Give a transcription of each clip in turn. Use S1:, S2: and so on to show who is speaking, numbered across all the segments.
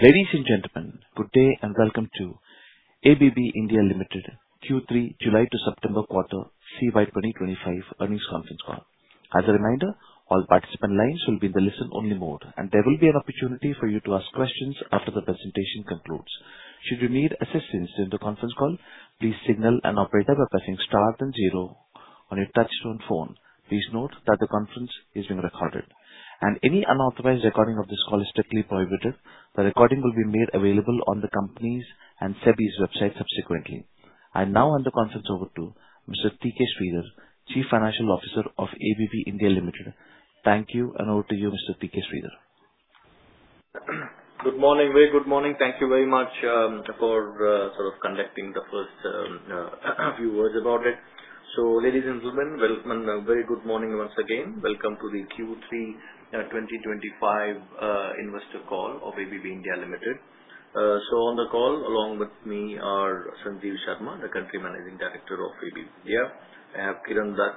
S1: Ladies and gentlemen, good day and welcome to ABB India Ltd Q3 July to September quarter CY 2025 earnings conference call. As a reminder, all participant lines will be in the listen-only mode, and there will be an opportunity for you to ask questions after the presentation concludes. Should you need assistance during the conference call, please signal an operator by pressing star then zero on your touch-tone phone. Please note that the conference is being recorded, and any unauthorized recording of this call is strictly prohibited. The recording will be made available on the company's and SEBI's website subsequently. I now hand the conference over to Mr. T.K. Sridhar, Chief Financial Officer of ABB India Ltd. Thank you, and over to you, Mr. T.K. Sridhar.
S2: Good morning. Very good morning. Thank you very much for sort of conducting the first few words about it. So, ladies and gentlemen, welcome and a very good morning once again. Welcome to the Q3 2025 investor call of ABB India Ltd. So on the call, along with me, are Sanjeev Sharma, the Country Managing Director of ABB India. I have Kiran Dutt,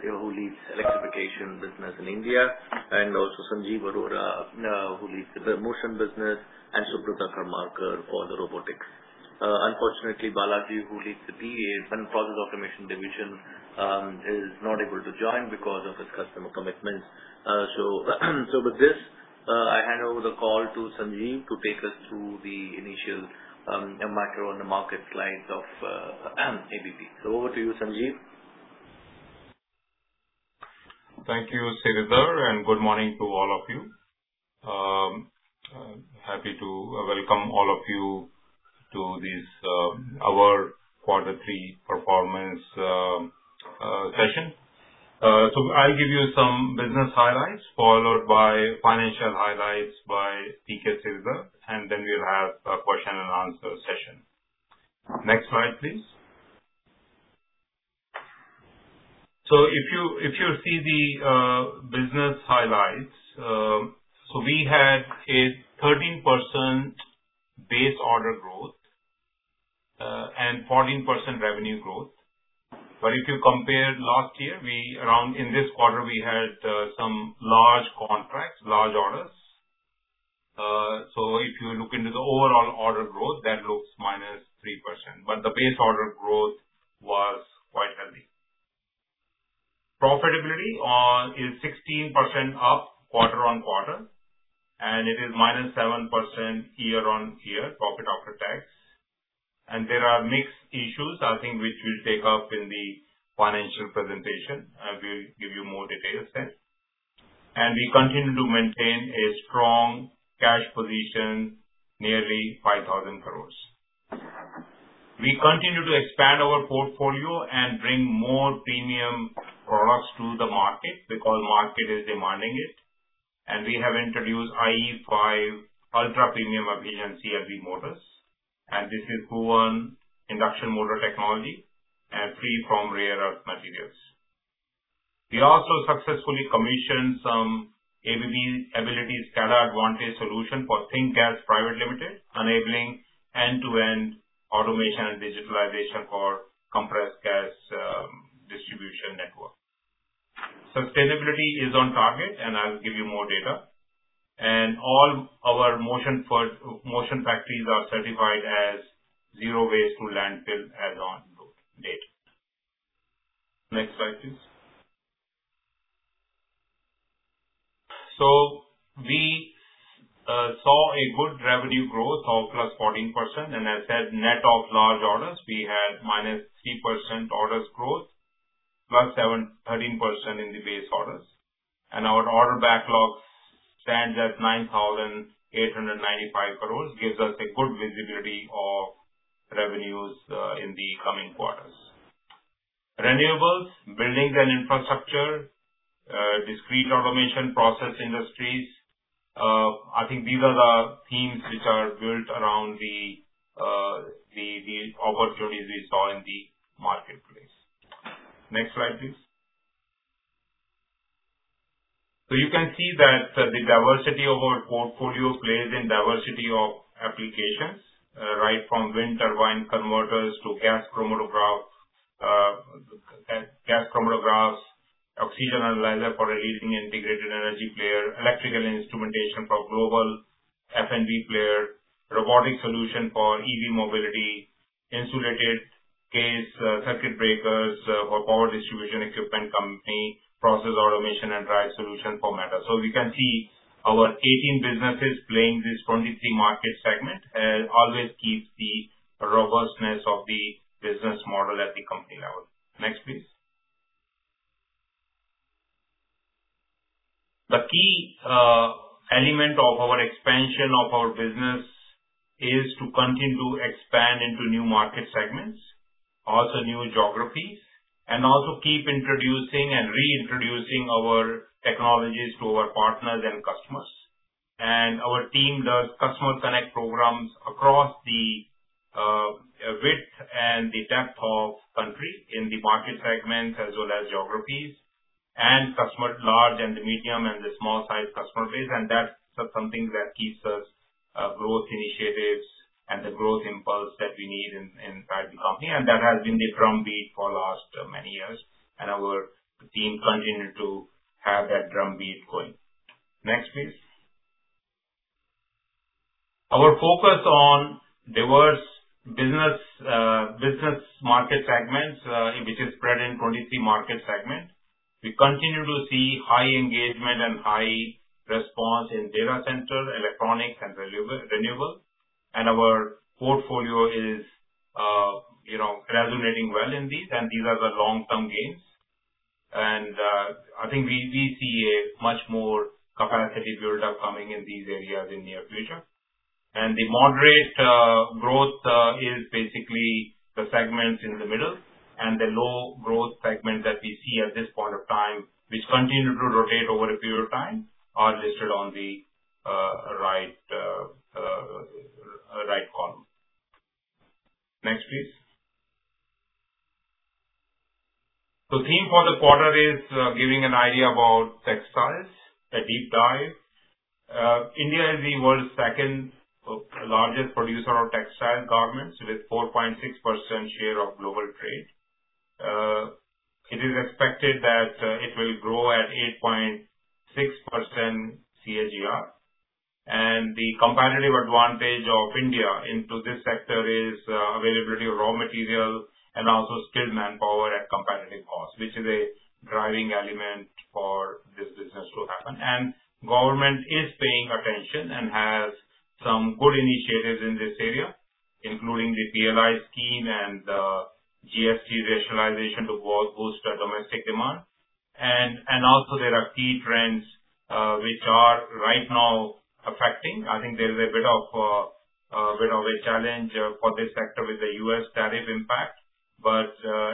S2: who leads Electrification business in India, and also Sanjeev Arora, who leads the Motion business, and Subrata Karmakar for the Robotics. Unfortunately, Balaji, who leads the PA and Process Automation division, is not able to join because of his customer commitments. So with this, I hand over the call to Sanjeev to take us through the initial macro and the market slides of ABB. So over to you, Sanjeev.
S3: Thank you, Sridhar, and good morning to all of you. Happy to welcome all of you to this, our quarter three performance session. I'll give you some business highlights followed by financial highlights by T.K. Sridhar, and then we'll have a question and answer session. Next slide, please. If you see the business highlights, we had a 13% base order growth, and 14% revenue growth. But if you compare last year, we around in this quarter had some large contracts, large orders. If you look into the overall order growth, that looks minus 3%, but the base order growth was quite healthy. Profitability is 16% up quarter on quarter, and it is minus 7% year-on-year, profit after tax. There are mixed issues, I think, which we'll take up in the financial presentation. I will give you more details then. We continue to maintain a strong cash position, nearly 5,000 crores. We continue to expand our portfolio and bring more premium products to the market because the market is demanding it. We have introduced IE5 ultra-premium SynRM motors, and this is SynRM motor technology and free from rare earth materials. We also successfully commissioned some ABB Ability SCADAvantage solution for THINK Gas Private Ltd, enabling end-to-end automation and digitalization for compressed gas distribution network. Sustainability is on target, and I'll give you more data. All our motion factories are certified as Zero Waste to Landfill as on date. Next slide, please. So we saw a good revenue growth of plus 14%, and as said, net of large orders, we had minus 3% orders growth, plus 17, 13% in the base orders. Our order backlog stands at 9,895 crores, gives us a good visibility of revenues in the coming quarters. Renewables, buildings and infrastructure, discrete automation process industries, I think these are the themes which are built around the opportunities we saw in the marketplace. Next slide, please. You can see that the diversity of our portfolio plays in diversity of applications, right from wind turbine converters to gas chromatographs, oxygen analyzer for leading integrated energy player, electrical instrumentation for global F&B player, robotic solution for EV mobility, insulated case circuit breakers for power distribution equipment company, process automation and drive solution for Metal. We can see our 18 businesses playing this 23 market segment, always keeps the robustness of the business model at the company level. Next, please. The key element of our expansion of our business is to continue to expand into new market segments, also new geographies, and also keep introducing and reintroducing our technologies to our partners and customers. And our team does customer connect programs across the width and the depth of country in the market segments as well as geographies and customer large and the medium and the small size customer base. And that's something that keeps us growth initiatives and the growth impulse that we need in fact the company. And that has been the drumbeat for the last many years, and our team continued to have that drumbeat going. Next, please. Our focus on diverse business market segments, which is spread in 23 market segment. We continue to see high engagement and high response in data center, electronics, and renewable. Our portfolio is, you know, resonating well in these, and these are the long-term gains. I think we see a much more capacity build-up coming in these areas in the near future. The moderate growth is basically the segments in the middle, and the low growth segment that we see at this point of time, which continue to rotate over a period of time, are listed on the right column. Next, please. The theme for the quarter is giving an idea about textiles, a deep dive. India is the world's second largest producer of textile garments with 4.6% share of global trade. It is expected that it will grow at 8.6% CAGR. The competitive advantage of India into this sector is availability of raw material and also skilled manpower at competitive cost, which is a driving element for this business to happen. Government is paying attention and has some good initiatives in this area, including the PLI scheme and the GST rationalization to both boost domestic demand. And also there are key trends, which are right now affecting. I think there is a bit of a challenge for this sector with the U.S. tariff impact. But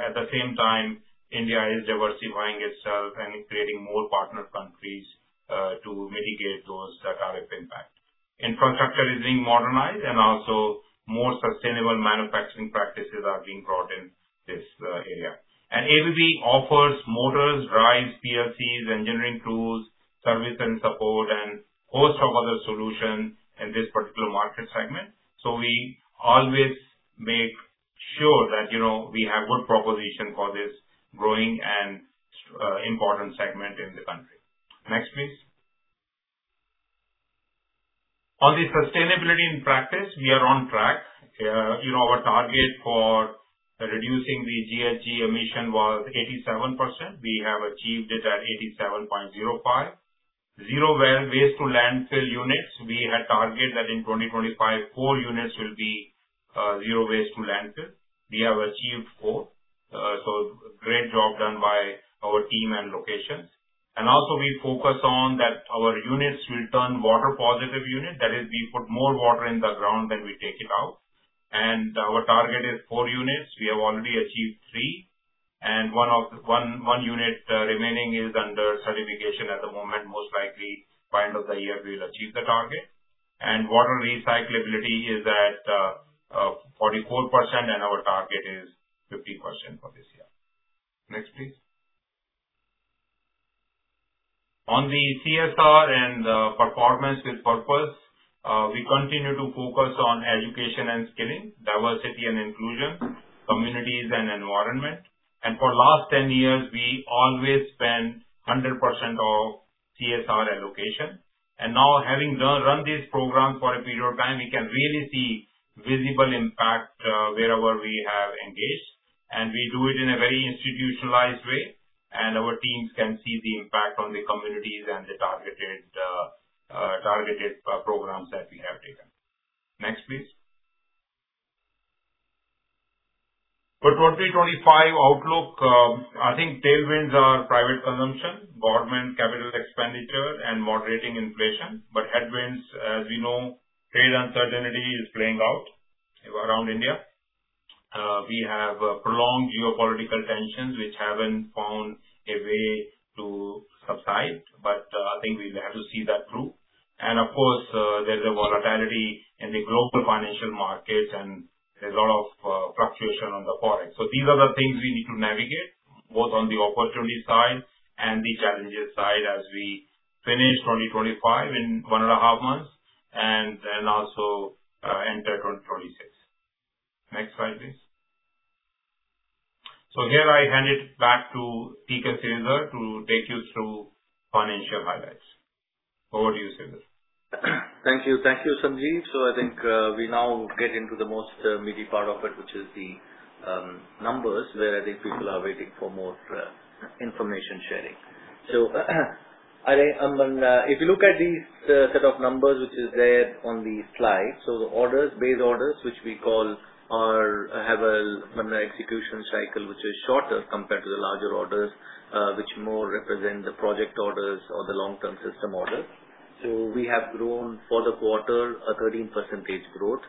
S3: at the same time, India is diversifying itself and creating more partner countries to mitigate those tariff impacts. Infrastructure is being modernized, and also more sustainable manufacturing practices are being brought in this area. And ABB offers motors, drives, PLCs, engineering tools, service, and support, and a host of other solutions in this particular market segment. So we always make sure that, you know, we have a good proposition for this growing and important segment in the country. Next, please. On the sustainability in practice, we are on track. You know, our target for reducing the GHG emissions was 87%. We have achieved it at 87.05%. Zero waste to landfill units. We had targeted that in 2025, four units will be zero waste to landfill. We have achieved four, so great job done by our team and locations. We also focus on that our units will turn water positive units. That is, we put more water in the ground than we take it out. Our target is four units. We have already achieved three. One unit remaining is under certification at the moment. Most likely, by the end of the year, we'll achieve the target. Water recyclability is at 44%, and our target is 50% for this year. Next, please. On the CSR and performance with purpose, we continue to focus on education and skilling, diversity and inclusion, communities and environment. For the last 10 years, we always spend 100% of CSR allocation. Now, having done these programs for a period of time, we can really see visible impact, wherever we have engaged. We do it in a very institutionalized way, and our teams can see the impact on the communities and the targeted programs that we have taken. Next, please. For 2025 outlook, I think tailwinds are private consumption, government capital expenditure, and moderating inflation. Headwinds, as we know, trade uncertainty is playing out around India. We have prolonged geopolitical tensions which haven't found a way to subside, but I think we'll have to see that through. Of course, there's a volatility in the global financial markets, and there's a lot of fluctuation on the forex. So these are the things we need to navigate, both on the opportunity side and the challenges side as we finish 2025 in one and a half months and then also, enter 2026. Next slide, please. So here, I hand it back to T.K. Sridhar to take you through financial highlights. Over to you, Sridhar.
S2: Thank you. Thank you, Sanjeev. So I think we now get into the most meaty part of it, which is the numbers where I think people are waiting for more information sharing. So if you look at these set of numbers, which is there on the slide, so the orders, base orders, which we call, have a an execution cycle, which is shorter compared to the larger orders, which more represent the project orders or the long-term system orders. So we have grown for the quarter, a 13% growth,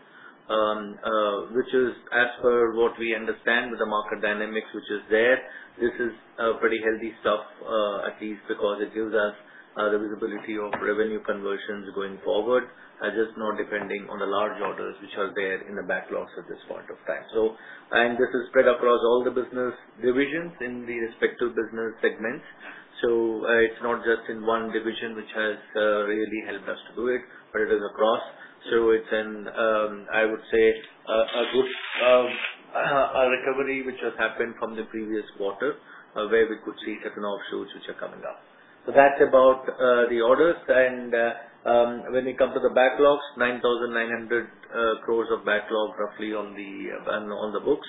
S2: which is as per what we understand with the market dynamics, which is there. This is pretty healthy stuff, at least because it gives us the visibility of revenue conversions going forward, just not depending on the large orders which are there in the backlogs at this point of time. And this is spread across all the business divisions in the respective business segments. It's not just in one division which has really helped us to do it, but it is across. It's an, I would say, a good recovery which has happened from the previous quarter, where we could see certain offshoots which are coming up. That's about the orders. When we come to the backlogs, 9,900 crores of backlog roughly on the books.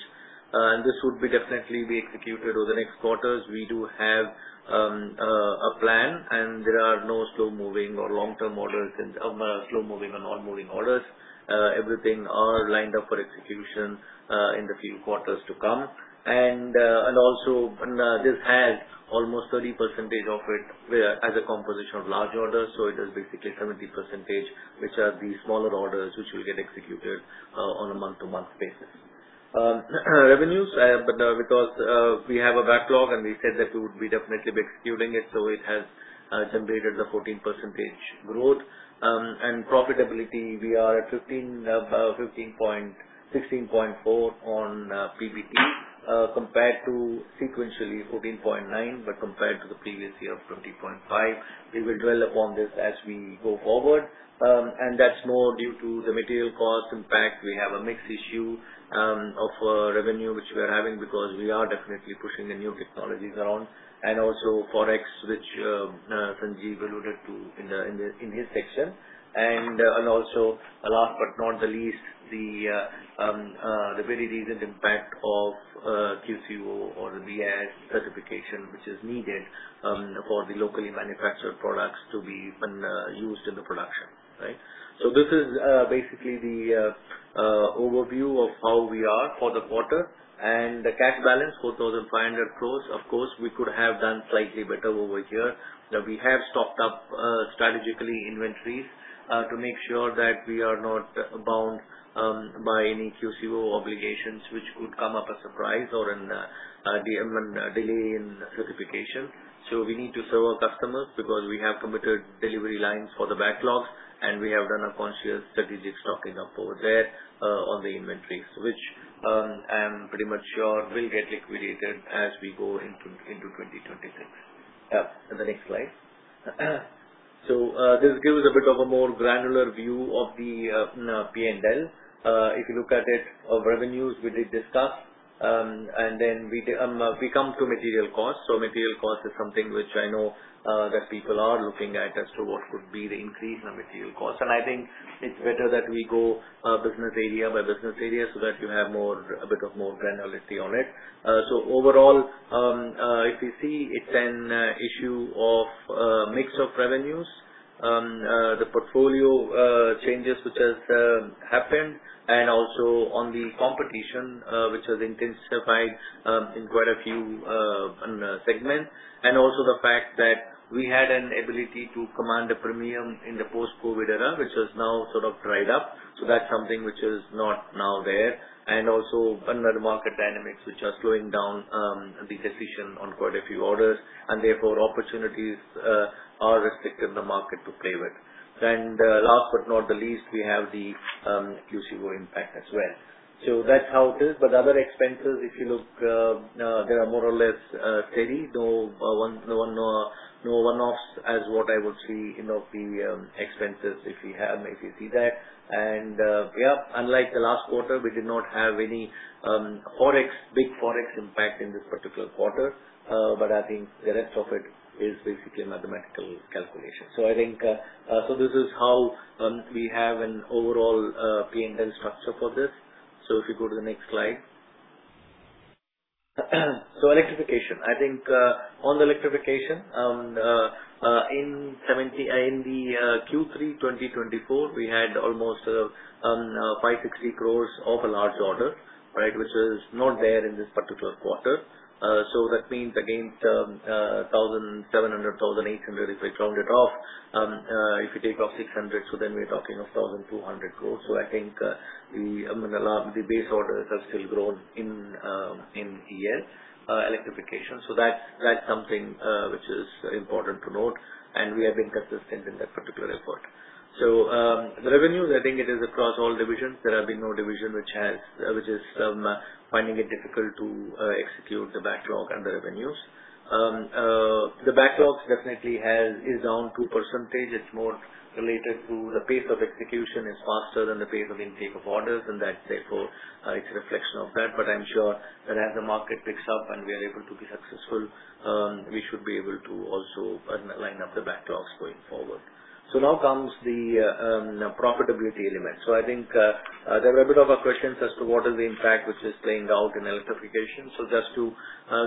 S2: This would definitely be executed over the next quarters. We do have a plan, and there are no slow-moving or long-term orders, slow-moving or non-moving orders. Everything is lined up for execution in the few quarters to come. This has almost 30% of it as a composition of large orders. So it is basically 70%, which are the smaller orders which will get executed on a month-to-month basis, revenues, but because we have a backlog, and we said that we would definitely be executing it. So it has generated the 14% growth and profitability. We are at 15.4 on PBT, compared to sequentially 14.9, but compared to the previous year of 20.5. We will dwell upon this as we go forward, and that's more due to the material cost impact. We have a mixed issue of revenue which we are having because we are definitely pushing the new technologies around and also forex, which Sanjeev alluded to in his section. And also, last but not the least, the very recent impact of QCO or the BIS certification, which is needed for the locally manufactured products to be used in the production, right? So this is basically the overview of how we are for the quarter. And the cash balance, 4,500 crores, of course we could have done slightly better over here. We have stocked up strategic inventories to make sure that we are not bound by any QCO obligations which could come up as a surprise or a delay in certification. So we need to serve our customers because we have committed delivery lines for the backlogs, and we have done a conscious strategic stocking up over there on the inventories, which I'm pretty much sure will get liquidated as we go into 2026. The next slide. So this gives us a bit of a more granular view of the P&L. If you look at it, of revenues we did discuss, and then we come to material costs. Material costs is something which I know that people are looking at as to what could be the increase in material costs. I think it's better that we go business area by business area so that you have a bit more granularity on it. Overall, if you see it's an issue of mix of revenues, the portfolio changes which has happened, and also on the competition, which has intensified in quite a few segments. Also the fact that we had an ability to command a premium in the post-COVID era, which has now sort of dried up. That's something which is not now there. Also under the market dynamics, which are slowing down, the decision on quite a few orders, and therefore opportunities, are restricted in the market to play with. Last but not the least, we have the QCO impact as well. So that's how it is. Other expenses, if you look, they are more or less steady. No one-offs as what I would see in the expenses if you see that. Yeah, unlike the last quarter, we did not have any big forex impact in this particular quarter. But I think the rest of it is basically mathematical calculation. So this is how we have an overall P&L structure for this. If you go to the next slide. Electrification, I think, on the electrification, in Q3 2024, we had almost 560 crores of a large order, right, which is not there in this particular quarter. So that means against 1,700-1,800, if we round it off. If you take off 600, then we're talking of 1,200 crores. I think the base orders have still grown in year electrification. That's something which is important to note, and we have been consistent in that particular effort. The revenues, I think, are across all divisions. There have been no division which is finding it difficult to execute the backlog and the revenues. The backlogs definitely is down 2%. It's more related to the pace of execution faster than the pace of intake of orders, and that's therefore a reflection of that, but I'm sure that as the market picks up and we are able to be successful, we should be able to also line up the backlogs going forward. Now comes the profitability element. So I think there were a bit of questions as to what is the impact which is playing out in electrification. So just to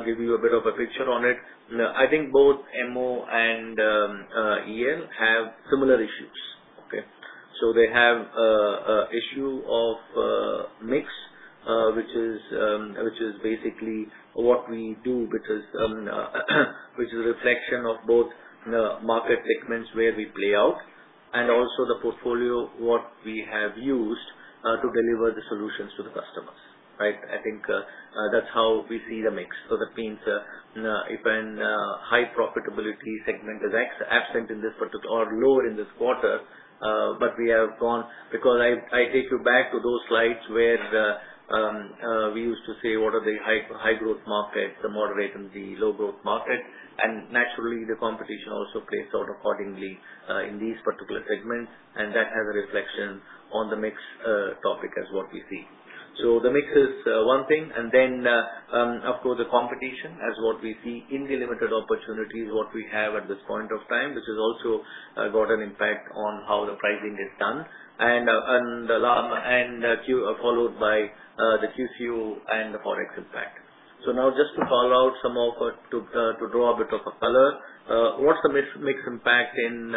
S2: give you a bit of a picture on it, I think both MO and EL have similar issues, okay? So they have a issue of mix, which is basically what we do, which is a reflection of both market segments where we play out and also the portfolio what we have used to deliver the solutions to the customers, right? I think that's how we see the mix. So that means if a high profitability segment is absent in this particular or lower in this quarter, but we have gone because I take you back to those slides where we used to say what are the high growth markets, the moderate, and the low growth markets. Naturally, the competition also plays out accordingly in these particular segments. That has a reflection on the mix topic as what we see. The mix is one thing. Then, of course, the competition as what we see in the Ltd opportunities what we have at this point of time, which has also got an impact on how the pricing is done. And then followed by the QCO and the forex impact. Now just to call out some of to draw a bit of a color, what's the mix impact in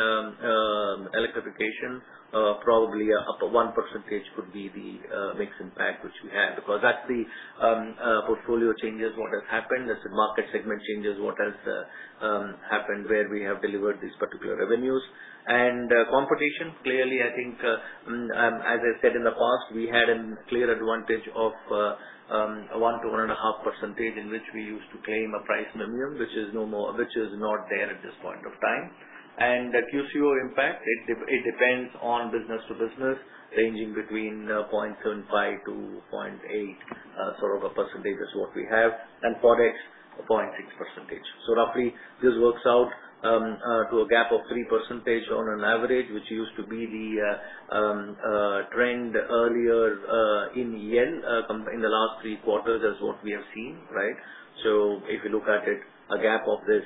S2: electrification? Probably up 1% could be the mix impact which we have because that's the portfolio changes what has happened, as the market segment changes what has happened where we have delivered these particular revenues. And competition, clearly, I think, as I said in the past, we had a clear advantage of 1%-1.5% in which we used to claim a price minimum, which is no more, which is not there at this point of time. And QCO impact, it depends on business to business, ranging between 0.75%-0.8%, sort of a percentage is what we have. And forex, 0.6%. So roughly, this works out to a gap of 3% on an average, which used to be the trend earlier in EL, in the last three quarters as what we have seen, right? So if you look at it, a gap of this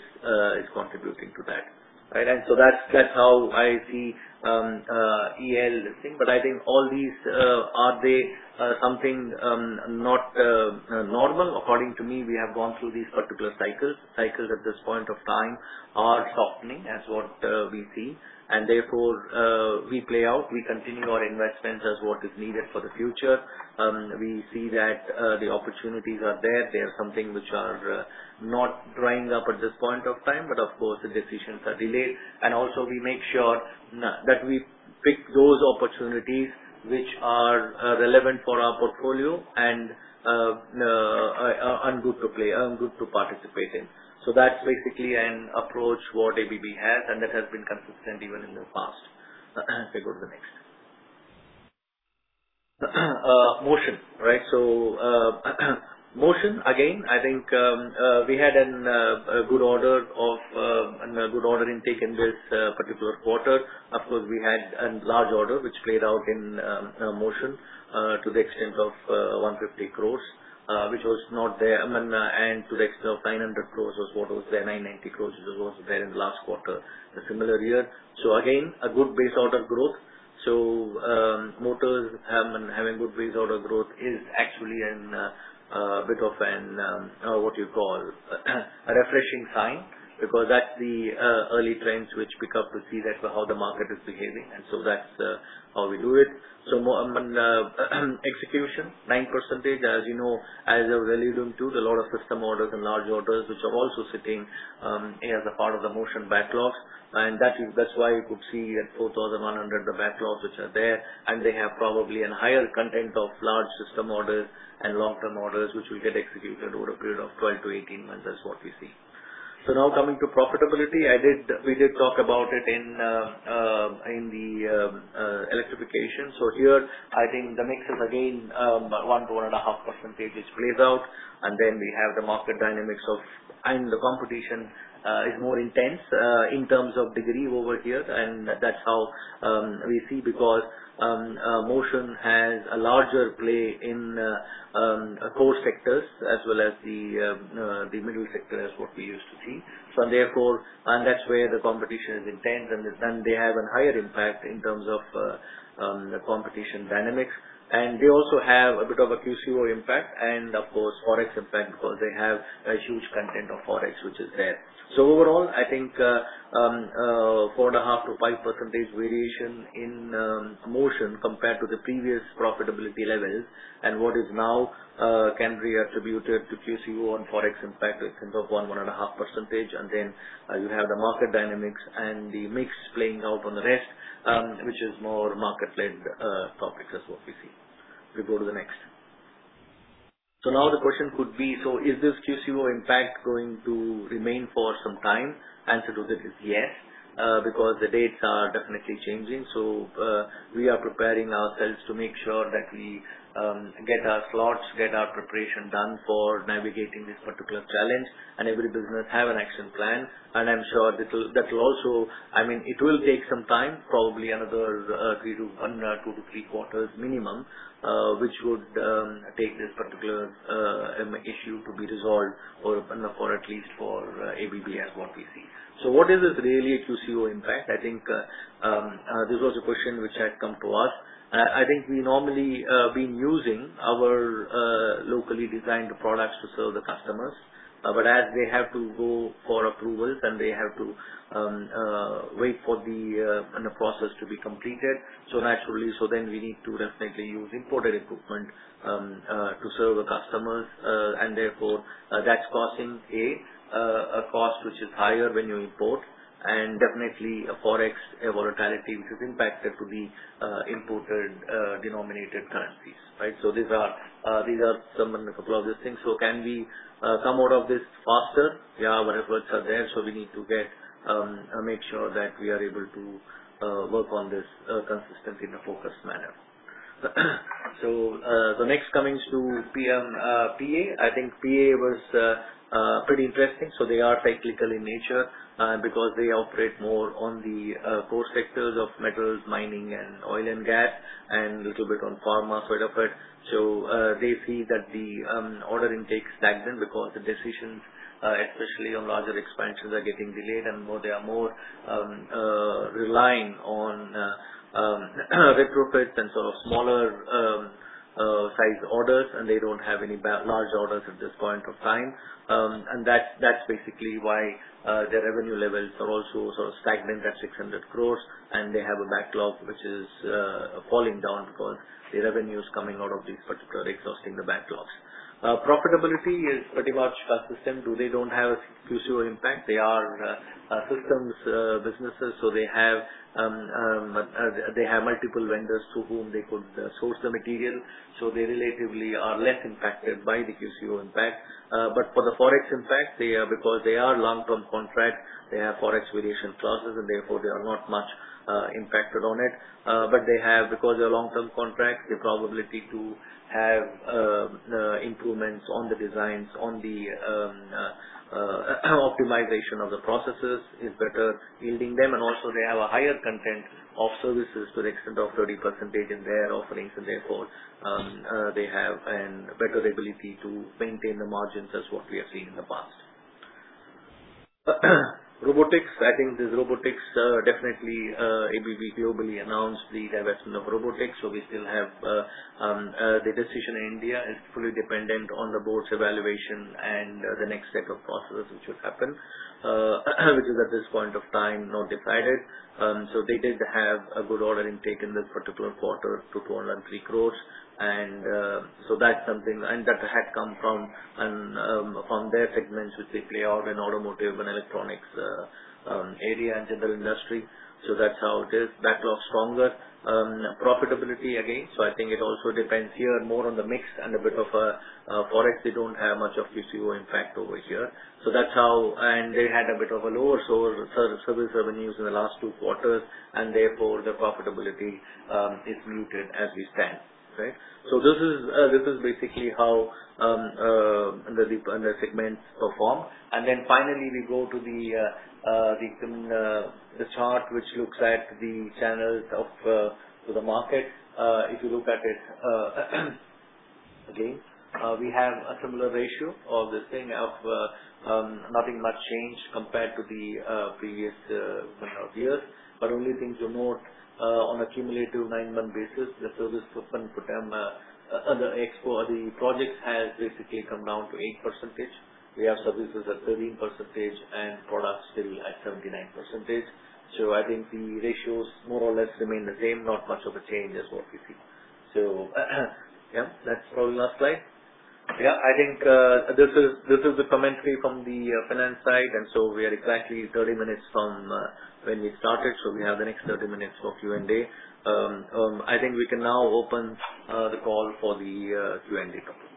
S2: is contributing to that, right? And so that's how I see EL thing. But I think all these are they something not normal. According to me, we have gone through these particular cycles. Cycles at this point of time are softening, as we see. Therefore, we play out. We continue our investments as is needed for the future. We see that the opportunities are there. They are something which are not drying up at this point of time. Of course, the decisions are delayed. We also make sure that we pick those opportunities which are relevant for our portfolio and good to play and good to participate in. So that's basically an approach what ABB has, and that has been consistent even in the past. If you go to the next motion, right? So motion, again, I think we had a good order intake in this particular quarter. Of course, we had a large order which played out in motion to the exte 150 crores, which was not there. And to the extent of 900 crores was what was there, 990 crores, which was also there in the last quarter, the similar year. So again, a good base order growth. So, motors have been having good base order growth is actually a bit of an what you call a refreshing sign because that's the early trends which pick up to see that how the market is behaving. And so that's how we do it. So more and execution 9%, as you know, as a value- limited, a lot of system orders and large orders which are also sitting as a part of the motion backlogs. And that is that's why you could see at 4,100 the backlogs which are there. And they have probably a higher content of large system orders and long-term orders which will get executed over a period of 12 to 18 months as what we see. So now coming to profitability, I did, we did talk about it in the Electrification. So here, I think the mix is again 1-1.5% which plays out. And then we have the market dynamics of, and the competition, is more intense in terms of degree over here. And that's how we see because Motion has a larger play in core sectors as well as the middle sector as what we used to see. So therefore, and that's where the competition is intense. And then, and they have a higher impact in terms of the competition dynamics. They also have a bit of a QCO impact and, of course, forex impact because they have a huge content of forex which is there. So overall, I think, 4.5%-5% variation in motion compared to the previous profitability levels. And what is now can be attributed to QCO and forex impact to the extent of 1-1.5%. And then you have the market dynamics and the mix playing out on the rest, which is more market-led topics as what we see. If you go to the next. So now the question could be, so is this QCO impact going to remain for some time? Answer to that is yes, because the dates are definitely changing. So we are preparing ourselves to make sure that we get our slots, get our preparation done for navigating this particular challenge. And every business has an action plan. I'm sure that will also, I mean, it will take some time, probably another two to three quarters minimum, which would take this particular issue to be resolved, or and for at least ABB as what we see. What is this really QCO impact? I think this was a question which had come to us. I think we normally been using our locally designed products to serve the customers, but as they have to go for approvals and they have to wait for the process to be completed, so naturally then we need to definitely use imported equipment to serve the customers, and therefore that's causing a cost which is higher when you import, and definitely a forex volatility which is impacted to the imported denominated currencies, right? So these are some and a couple of these things. So can we come out of this faster? Yeah, whatever results are there. So we need to make sure that we are able to work on this consistently in a focused manner. So the next coming to PM PA. I think PA was pretty interesting. So they are cyclical in nature, because they operate more on the core sectors of metals, mining, and oil and gas, and a little bit on pharma sort of it. So they see that the order intake stagnant because the decisions, especially on larger expansions are getting delayed. And they are more relying on retrofits and sort of smaller size orders. And they don't have any large orders at this point of time, and that's basically why the revenue levels are also sort of stagnant at 600 crores. They have a backlog which is falling down because the revenue is coming out of these particular exhausting the backlogs. Profitability is pretty much consistent. They don't have a QCO impact. They are systems businesses. So they have multiple vendors to whom they could source the material. So they relatively are less impacted by the QCO impact. But for the forex impact, they are, because they are long-term contracts, they have forex variation clauses. And therefore, they are not much impacted on it. But they have, because they are long-term contracts, the probability to have improvements on the designs, on the optimization of the processes is better yielding them. And also, they have a higher content of services to the extent of 30% in their offerings. And therefore, they have a better ability to maintain the margins as what we have seen in the past. Robotics. I think this Robotics, definitely, ABB globally announced the divestment of Robotics. So we still have the decision in India is fully dependent on the board's evaluation and the next set of processes which will happen, which is at this point of time not decided. So they did have a good order intake in this particular quarter to 203 crores. And so that's something, and that had come from their segments which they play out in automotive and electronics area and general industry. So that's how it is. Backlog stronger, profitability again. So I think it also depends here more on the mix and a bit of a forex. They don't have much of QCO impact over here. So that's how, and they had a bit of a lower service revenues in the last two quarters. And therefore the profitability is muted as we stand, right? So this is basically how the segments perform. And then finally, we go to the chart which looks at the channels to the market. If you look at it, again, we have a similar ratio of this thing. Nothing much changed compared to the previous year. But only things to note, on a cumulative nine-month basis, the service open for them, the ETO or the projects has basically come down to 8%. We have services at 13% and products still at 79%. So I think the ratios more or less remain the same, not much of a change as what we see. So, yeah, that's probably the last slide. Yeah, I think this is the commentary from the finance side. And so we are exactly 30 minutes from when we started. We have the next 30 minutes for Q&A. I think we can now open the call for the Q&A topic.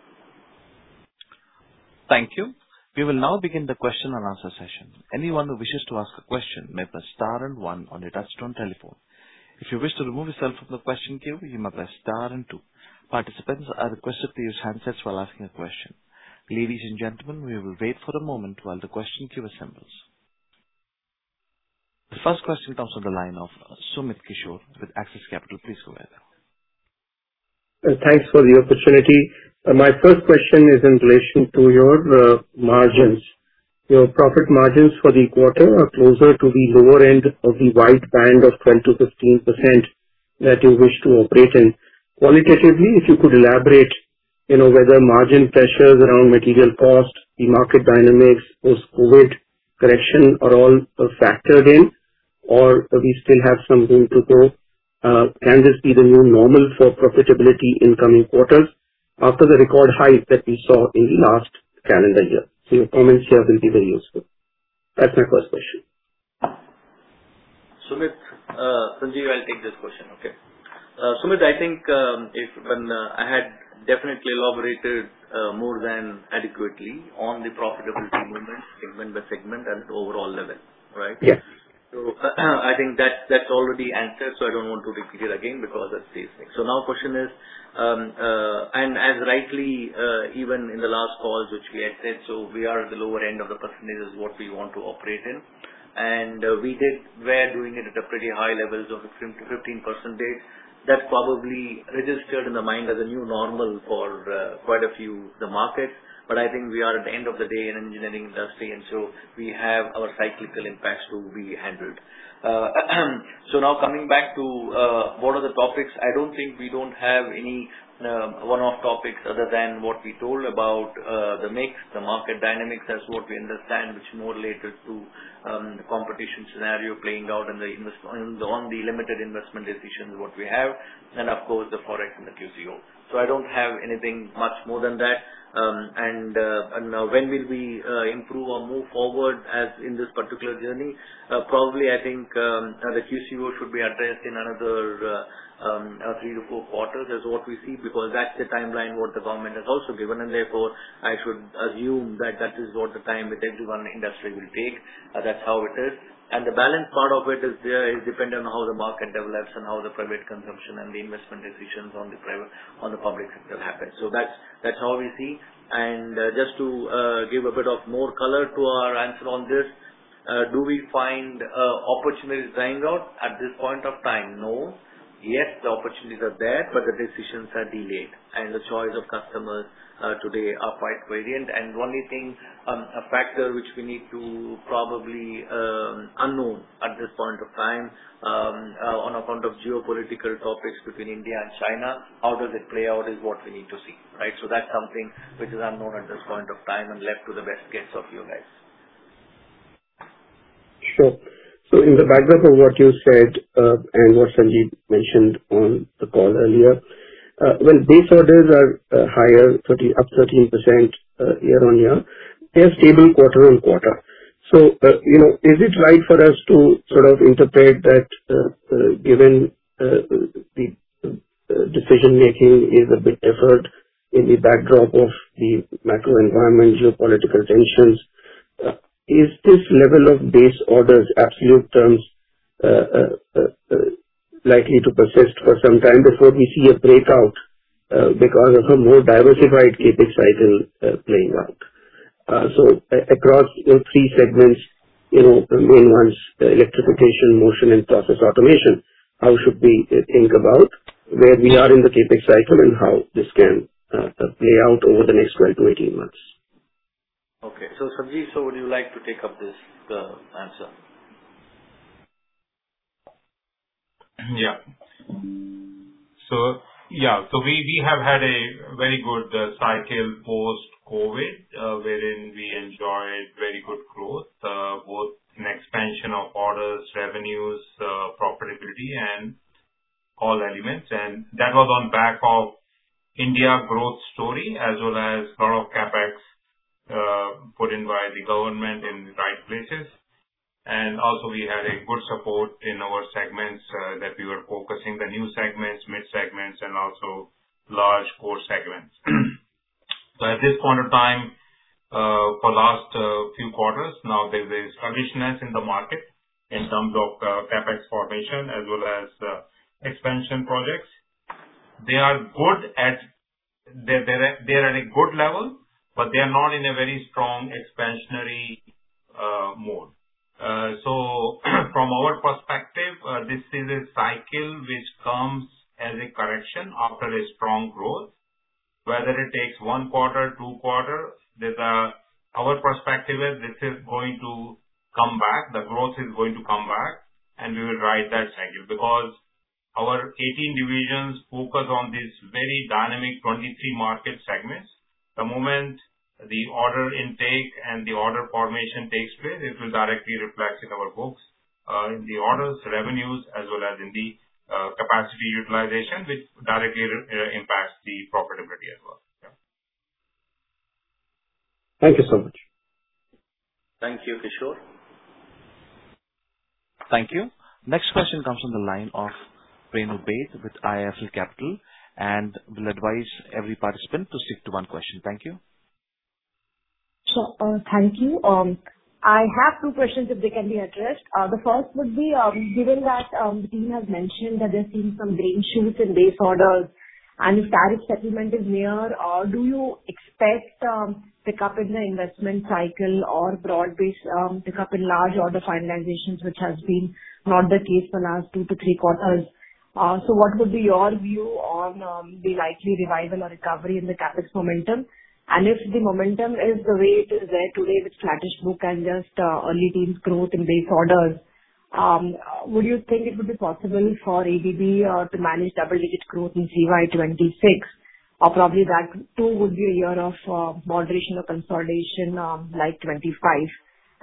S1: Thank you. We will now begin the question and answer session. Anyone who wishes to ask a question may press star and one on your touch-tone telephone. If you wish to remove yourself from the question queue, you may press star and two. Participants are requested to use handsets while asking a question. Ladies and gentlemen, we will wait for a moment while the question queue assembles. The first question comes from the line of Sumit Kishore with Axis Capital. Please go ahead.
S4: Thanks for the opportunity. My first question is in relation to your margins. Your profit margins for the quarter are closer to the lower end of the wide band of 12%-15% that you wish to operate in. Qualitatively, if you could elaborate, you know, whether margin pressures around material cost, the market dynamics, post-COVID correction are all factored in, or we still have some room to go, can this be the new normal for profitability in coming quarters after the record highs that we saw in the last calendar year? So your comments here will be very useful. That's my first question.
S2: Sumit, Sanjeev, I'll take this question, okay? Sumit, I think when I had definitely elaborated more than adequately on the profitability movement segment by segment at the overall level, right?
S4: Yes.
S2: So I think that's already answered. So I don't want to repeat it again because that's the thing. So now question is, and as rightly, even in the last calls which we had said, so we are at the lower end of the percentages what we want to operate in. And we're doing it at pretty high levels of 15%. That probably registered in the mind as a new normal for quite a few of the markets. But I think we are at the end of the day in an engineering industry. And so we have our cyclical impacts to be handled. So now coming back to what are the topics? I don't think we don't have any one-off topics other than what we told about, the mix, the market dynamics as what we understand, which more related to the competition scenario playing out and the investment on the Ltd investment decisions what we have, and of course, the forex and the QCO. So I don't have anything much more than that, and when will we improve or move forward as in this particular journey? Probably I think the QCO should be addressed in another three to four quarters as what we see because that's the timeline what the government has also given. And therefore, I should assume that that is what the time with everyone in industry will take. That's how it is. The balance part of it is dependent on how the market develops and how the private consumption and the investment decisions on the private, on the public sector happen. So that's how we see. Just to give a bit more color to our answer on this, do we find opportunities dying out at this point of time? No. Yes, the opportunities are there, but the decisions are delayed. And the choice of customers today are quite variant. And the only thing, a factor which we need to probably unknown at this point of time, on account of geopolitical topics between India and China, how does it play out is what we need to see, right? So that's something which is unknown at this point of time and left to the best guess of you guys.
S4: Sure. So in the backdrop of what you said, and what Sanjeev mentioned on the call earlier, when these orders are higher 30 up 13% year-on-year, they are stable quarter on quarter. So, you know, is it right for us to sort of interpret that, given the decision-making is a bit deferred in the backdrop of the macro environment, geopolitical tensions? Is this level of base orders, absolute terms, likely to persist for some time before we see a breakout, because of a more diversified CapEx cycle playing out? So across the three segments, you know, the main ones, electrification, motion, and process automation, how should we think about where we are in the CapEx cycle and how this can play out over the next 12-18 months?
S2: Okay. So Sanjeev, so would you like to take up this, answer?
S3: Yeah. So we have had a very good cycle post-COVID, wherein we enjoyed very good growth, both in expansion of orders, revenues, profitability, and all elements. And that was on back of India growth story as well as a lot of CapEx put in by the government in the right places. And also, we had a good support in our segments that we were focusing, the new segments, mid-segments, and also large core segments. So at this point of time, for last few quarters, now there is tentativeness in the market in terms of CapEx formation as well as expansion projects. They are good. They're at a good level, but they are not in a very strong expansionary mode. So, from our perspective, this is a cycle which comes as a correction after a strong growth, whether it takes one quarter, two quarter. Our perspective is this is going to come back, the growth is going to come back, and we will ride that cycle because our 18 divisions focus on these very dynamic 23 market segments. The moment the order intake and the order formation takes place, it will directly reflect in our books, in the orders, revenues, as well as in the capacity utilization, which directly impacts the profitability as well. Yeah.
S4: Thank you so much.
S2: Thank you, Kishore.
S1: Thank you. Next question comes from the line of Renu Baid with IIFL Securities. And we'll advise every participant to stick to one question. Thank you.
S5: Thank you. I have two questions if they can be addressed. The first would be, given that the team has mentioned that they're seeing some green shoots in base orders, and if tariff settlement is near, do you expect pickup in the investment cycle or broad-based pickup in large order finalizations, which has been not the case for the last two to three quarters? What would be your view on the likely revival or recovery in the CapEx momentum? And if the momentum is the way it is there today with flatish book and just early teens growth in base orders, would you think it would be possible for ABB to manage double-digit growth in CY26? Or probably that too would be a year of moderation or consolidation, like 25.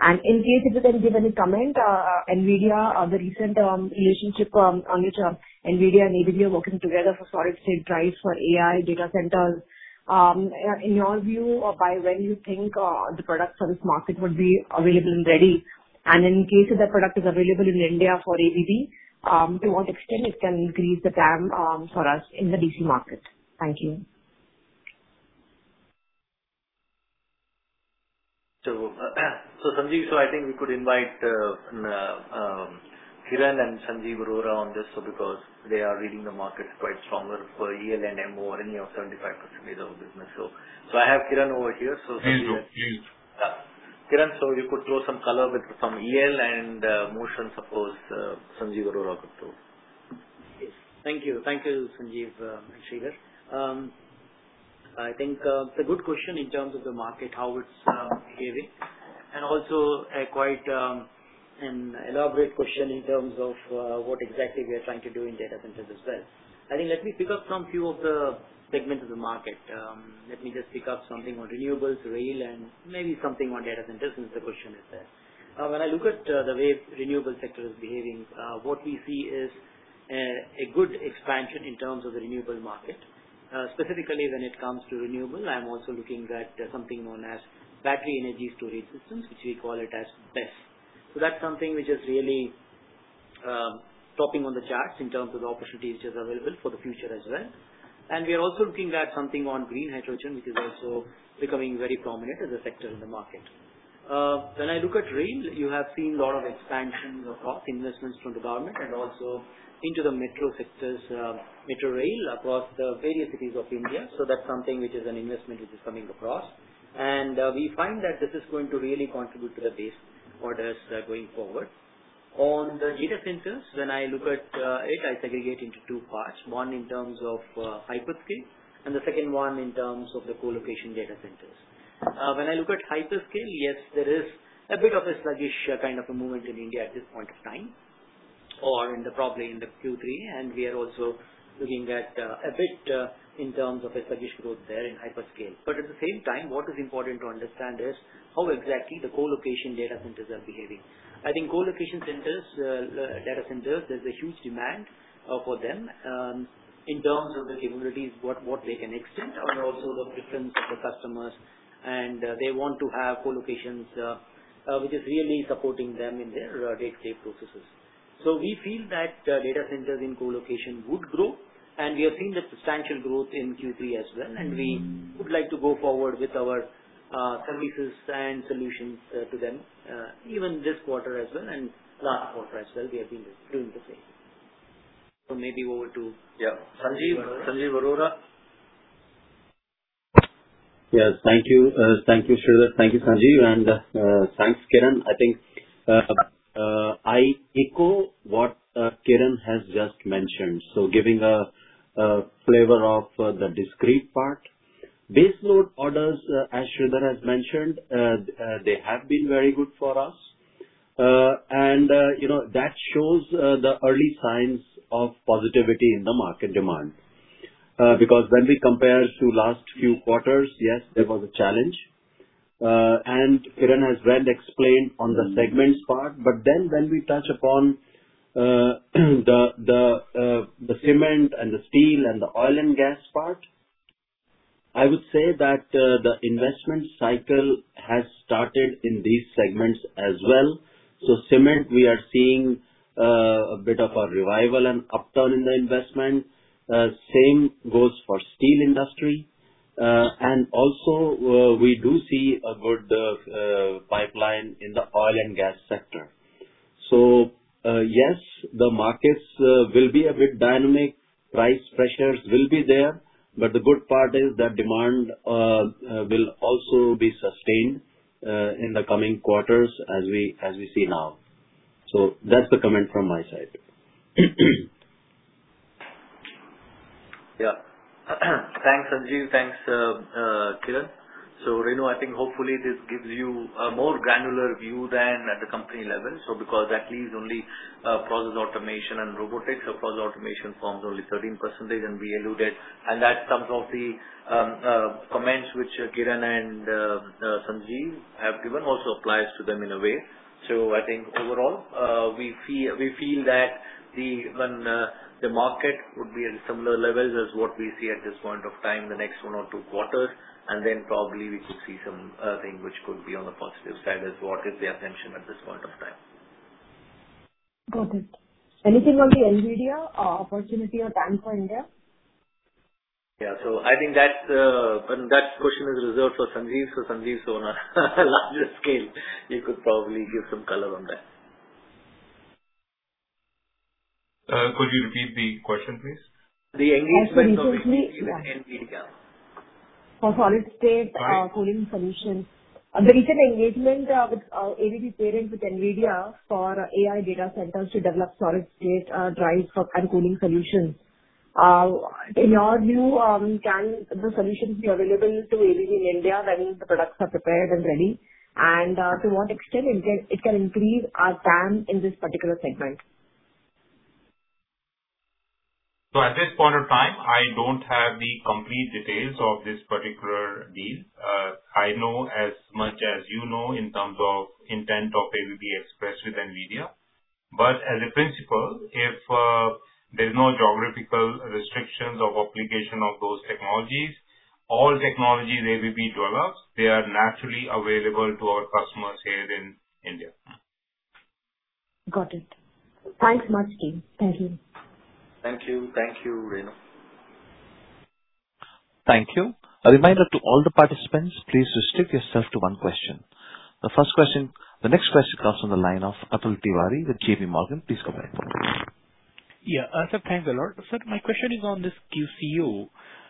S5: In case if you can give any comment on the recent relationship on which NVIDIA and ABB are working together for solid-state drives for AI data centers. In your view, by when you think the product for this market would be available and ready? In case if that product is available in India for ABB, to what extent it can increase the TAM for us in the DC market? Thank you.
S2: So, Sanjeev, I think we could invite Kiran and Sanjeev Arora on this because they are reading the market quite stronger for EL and MO, any of 75% of business. So, I have Kiran over here. So, Sanjeev.
S6: Please, please.
S2: Kiran, so you could throw some color with some EL and motion. Suppose Sanjeev Arora could throw.
S6: Yes. Thank you. Thank you, Sanjeev and Sridhar. I think it's a good question in terms of the market, how it's behaving. And also a quite an elaborate question in terms of what exactly we are trying to do in data centers as well. I think let me pick up from a few of the segments of the market. Let me just pick up something on renewables, rail, and maybe something on data centers since the question is there. When I look at the way renewable sector is behaving, what we see is a good expansion in terms of the renewable market, specifically when it comes to renewable. I'm also looking at something known as Battery Energy Storage Systems, which we call it as BESS. So that's something which is really topping on the charts in terms of the opportunities which are available for the future as well. And we are also looking at something on green hydrogen, which is also becoming very prominent as a sector in the market. When I look at rail, you have seen a lot of expansions across investments from the government and also into the metro sectors, metro rail across the various cities of India. So that's something which is an investment which is coming across. And, we find that this is going to really contribute to the base orders, going forward. On the data centers, when I look at, it, I segregate into two parts, one in terms of, hyperscale and the second one in terms of the colocation data centers. When I look at hyperscale, yes, there is a bit of a sluggish, kind of a movement in India at this point of time, or in the probably in the Q3. We are also looking at a bit in terms of sluggish growth there in hyperscale. At the same time, what is important to understand is how exactly the colocation data centers are behaving. I think colocation centers, data centers, there is a huge demand for them in terms of the capabilities what they can extend, and also the preference of the customers. They want to have colocations which is really supporting them in their day-to-day processes. We feel that data centers in colocation would grow, and we have seen substantial growth in Q3 as well. We would like to go forward with our services and solutions to them even this quarter as well and last quarter as well. We have been doing the same. Maybe over to.
S2: Yeah. Sanjeev, Sanjeev Arora.
S7: Yes, thank you. Thank you, Sridhar. Thank you, Sanjeev. And thanks, Kiran. I think I echo what Kiran has just mentioned, so giving a flavor of the discrete part. Base orders, as Subrata has mentioned, they have been very good for us, and you know that shows the early signs of positivity in the market demand. Because when we compare to last few quarters, yes, there was a challenge, and Kiran has well explained on the segments part, but then when we touch upon the cement and the steel and the oil and gas part, I would say that the investment cycle has started in these segments as well. So cement, we are seeing a bit of a revival and upturn in the investment. Same goes for steel industry, and also we do see a good pipeline in the oil and gas sector. So, yes, the markets will be a bit dynamic. Price pressures will be there. But the good part is that demand will also be sustained in the coming quarters as we, as we see now. So that's the comment from my side.
S2: Yeah. Thanks, Sanjeev. Thanks, Kiran. So, Renu, I think hopefully this gives you a more granular view than at the company level. So because at least only process automation and Robotics, process automation forms only 13%, and we alluded, and that's some of the comments which Kiran and Sanjeev have given also applies to them in a way. So I think overall, we feel that when the market would be at similar levels as what we see at this point of time, the next one or two quarters. And then probably we could see something which could be on the positive side as what is the attention at this point of time.
S5: Got it. Anything on the NVIDIA opportunity or TAM for India?
S2: Yeah. So I think that, and that question is reserved for Sanjeev. So Sanjeev, so on a larger scale, you could probably give some color on that.
S3: Could you repeat the question, please?
S2: The engagement of NVIDIA.
S5: Oh, solid-state cooling solutions. The recent engagement with ABB partnering with NVIDIA for AI data centers to develop solid-state drives and cooling solutions. In your view, can the solutions be available to ABB in India when the products are prepared and ready? To what extent can it increase our TAM in this particular segment?
S3: At this point of time, I don't have the complete details of this particular deal. I know as much as you know in terms of intent of ABB Express with NVIDIA. As a principle, if there's no geographical restrictions of application of those technologies, all technologies ABB develops, they are naturally available to our customers here in India.
S5: Got it. Thanks much, team. Thank you.
S2: Thank you. Thank you, Renu.
S1: Thank you. A reminder to all the participants, please restrict yourself to one question. The first question, the next question comes from the line of Atul Tiwari with JPMorgan. Please go ahead.
S8: Yeah, sir, thanks a lot. Sir, my question is on this QCO.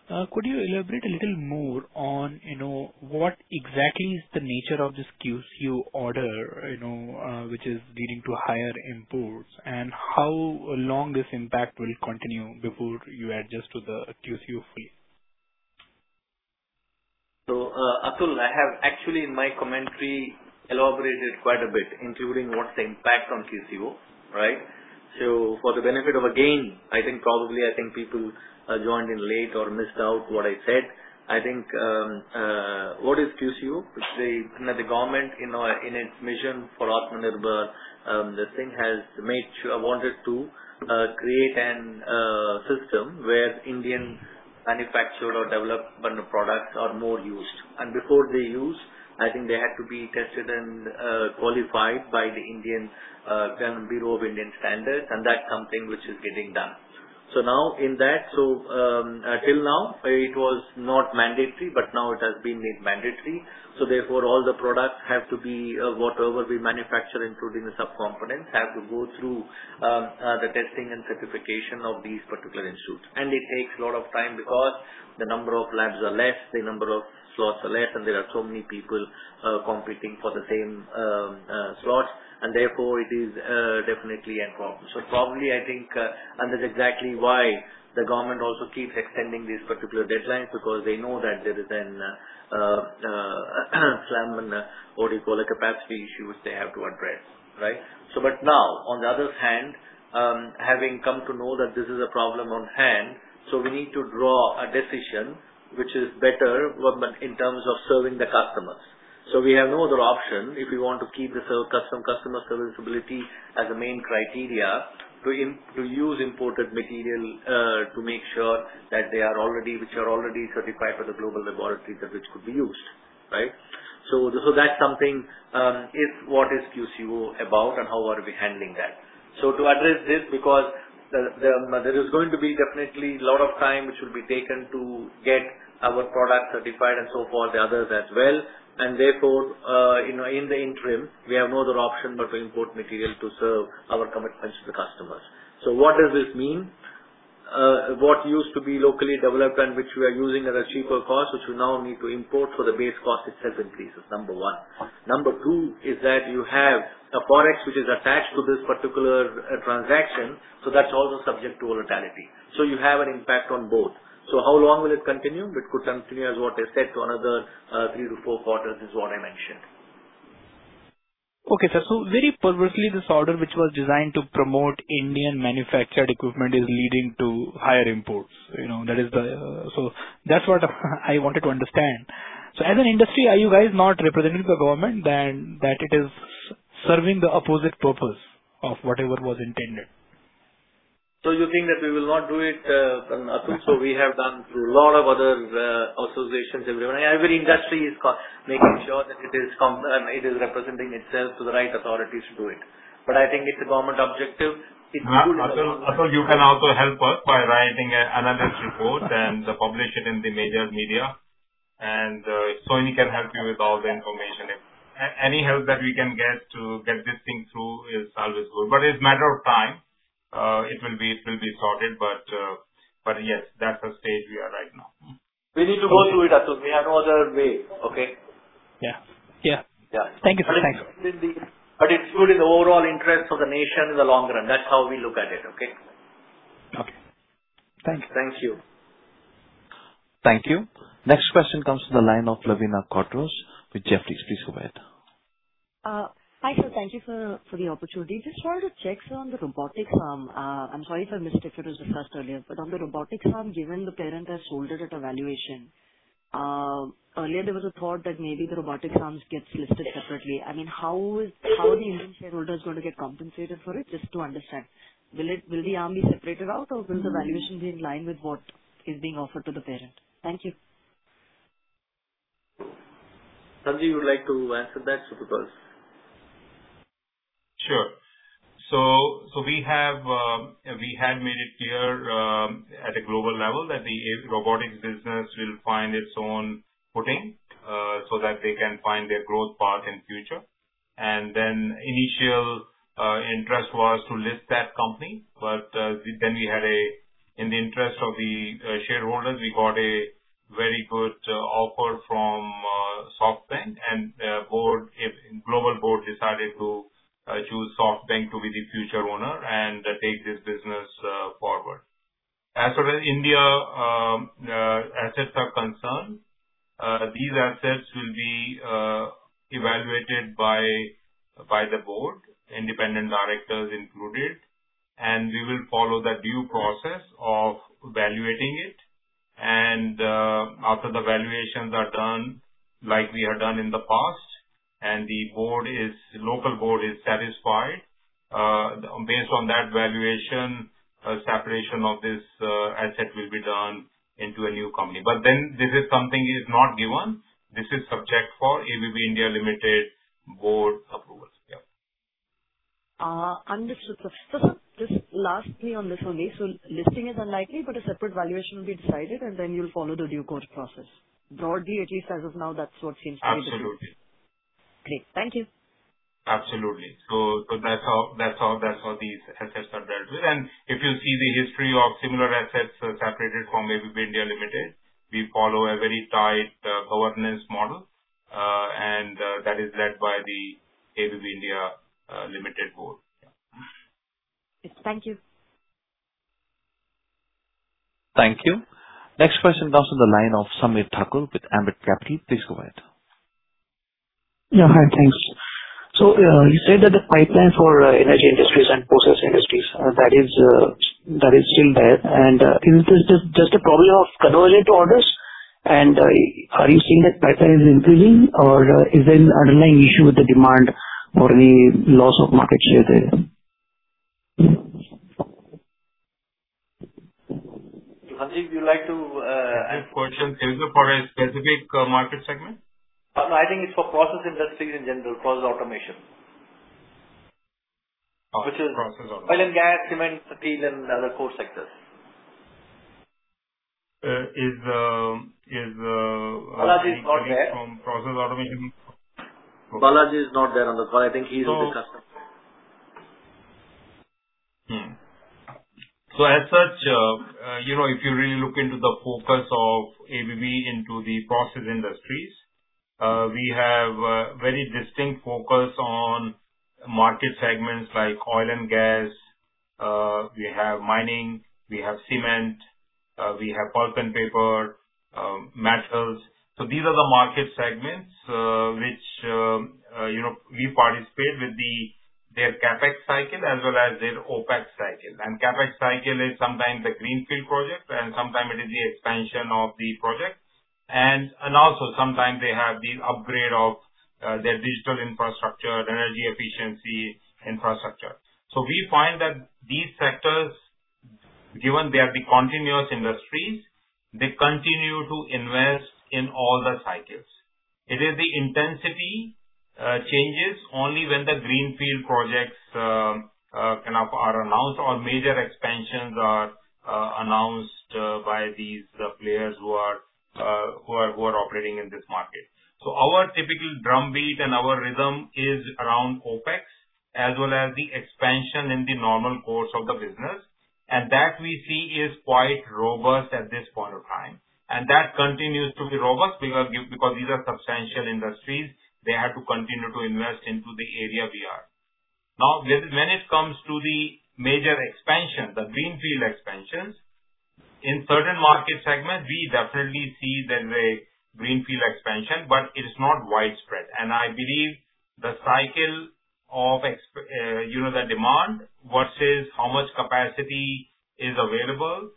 S8: Could you elaborate a little more on, you know, what exactly is the nature of this QCO order, you know, which is leading to higher imports and how long this impact will continue before you adjust to the QCO fully?
S2: So, Atul, I have actually in my commentary elaborated quite a bit, including what's the impact on QCO, right? So for the benefit of, again, I think probably people joined in late or missed out what I said. I think, what is QCO? The, you know, the government, you know, in its mission for Atmanirbhar, this thing has made sure, wanted to create a system where Indian manufactured or developed products are more used. And before they use, I think they had to be tested and qualified by the Indian Bureau of Indian Standards. And that's something which is getting done. So now in that, until now, it was not mandatory, but now it has been made mandatory. So therefore, all the products have to be, whatever we manufacture, including the subcomponents, have to go through the testing and certification of these particular instruments. And it takes a lot of time because the number of labs are less, the number of slots are less, and there are so many people competing for the same slots. And therefore, it is definitely a problem. So probably I think, and that's exactly why the government also keeps extending these particular deadlines because they know that there is a strain on what do you call it, capacity issue which they have to address, right? So but now, on the other hand, having come to know that this is a problem at hand, so we need to make a decision which is better, but in terms of serving the customers. So we have no other option if we want to keep the customer service ability as a main criteria to use imported material, to make sure that they are already certified for the global laboratories that which could be used, right? So that's something. What is QCO about and how are we handling that? So to address this, because there is going to be definitely a lot of time which will be taken to get our product certified and so forth, the others as well. And therefore, you know, in the interim, we have no other option but to import material to serve our commitments to the customers. So what does this mean? What used to be locally developed and which we are using at a cheaper cost, which we now need to import, for the base cost itself increases, number one. Number two is that you have a forex which is attached to this particular transaction, so that's also subject to volatility. So you have an impact on both. So how long will it continue? It could continue as what I said to another, three to four quarters is what I mentioned.
S8: Okay, sir. So very purposely, this order which was designed to promote Indian-manufactured equipment is leading to higher imports. You know, that is the, so that's what I wanted to understand. So as an industry, are you guys not representing the government that it is serving the opposite purpose of whatever was intended?
S2: So you think that we will not do it, Atul? So we have done it through a lot of other associations everywhere. Every industry is making sure that it is complying, it is representing itself to the right authorities to do it. But I think it's a government objective. It's good.
S3: Yeah. Atul, Atul, you can also help us by writing an analyst report and publish it in the major media. And, Sunny can help you with all the information. Any help that we can get to get this thing through is always good. But it's a matter of time. It will be, it will be sorted. But, but yes, that's the stage we are right now.
S2: We need to go through it, Atul. We have no other way, okay?
S8: Yeah. Yeah.
S3: Yeah.
S8: Thank you, sir. Thanks.
S2: But it's good in the overall interest of the nation in the long run. That's how we look at it, okay?
S8: Okay. Thank you.
S2: Thank you.
S1: Thank you. Next question comes from the line of Lavina Quadros with Jefferies. Please go ahead.
S9: Hi, sir. Thank you for the opportunity. Just wanted to check, sir, on the Robotics. I'm sorry if I missed it, but it was discussed earlier. But on the Robotics arm, given the parent has sold it at a valuation, earlier there was a thought that maybe the Robotics arm gets listed separately. I mean, how is, how are the Indian shareholders going to get compensated for it? Just to understand. Will it, will the arm be separated out or will the valuation be in line with what is being offered to the parent? Thank you.
S2: Sanjeev, you'd like to answer that, first?
S3: Sure. So we had made it clear at a global level that the Robotics business will find its own footing, so that they can find their growth path in the future. Initial interest was to list that company. But then we had, in the interest of the shareholders, we got a very good offer from SoftBank. The global board decided to choose SoftBank to be the future owner and take this business forward. As for India assets are concerned, these assets will be evaluated by the board, independent directors included. We will follow the due process of evaluating it. After the valuations are done, like we have done in the past, and the local board is satisfied, based on that valuation, separation of this asset will be done into a new company. But then this is something not given. This is subject to ABB India Ltd board approval. Yeah.
S9: Understood. Sir, sir, just one last on this, Sunny. So listing is unlikely, but a separate valuation will be decided, and then you'll follow the due process. Broadly, at least as of now, that's what seems to be the case.
S3: Absolutely.
S9: Great. Thank you.
S3: Absolutely. So that's how these assets are dealt with. If you see the history of similar assets separated from ABB India Ltd, we follow a very tight governance model that is led by the ABB India Ltd board. Yeah.
S9: Thank you.
S1: Thank you. Next question comes from the line of Sameer Thakur with Ambit Capital. Please go ahead.
S10: Yeah. Hi, thanks. So, you said that the pipeline for Energy Industries and process industries, that is still there. And, is this just a problem of converging to orders? And, are you seeing that pipeline is increasing or, is there an underlying issue with the demand or the loss of market share there?
S2: Sanjeev, you'd like to ask questions?
S3: Is it for a specific market segment?
S2: No, I think it's for process industries in general, process automation.
S3: Okay.
S2: Which is.
S3: Process automation.
S2: Oil and gas, cement, steel, and other core sectors.
S3: Is Balaji not there?
S2: Balaji is not there.
S3: Balaji is not there on the call. I think he's in the customer.
S2: So as such, you know, if you really look into the focus of ABB into the process industries, we have a very distinct focus on market segments like oil and gas. We have mining, we have cement, we have pulp and paper, metals. So these are the market segments, which, you know, we participate with the, their CapEx cycle as well as their OpEx cycle. And CapEx cycle is sometimes the greenfield project, and sometimes it is the expansion of the project. And also sometimes they have the upgrade of, their digital infrastructure, energy efficiency infrastructure. So we find that these sectors, given they are the continuous industries, they continue to invest in all the cycles. It is the intensity that changes only when the greenfield projects kind of are announced or major expansions are announced by these players who are operating in this market. So our typical drumbeat and our rhythm is around OpEx as well as the expansion in the normal course of the business, and that we see is quite robust at this point of time. And that continues to be robust because these are substantial industries. They have to continue to invest into the area we are. Now, when it comes to the major expansion, the greenfield expansions in certain market segments, we definitely see there is a greenfield expansion, but it is not widespread. I believe the cycle of expansion, you know, the demand versus how much capacity is available.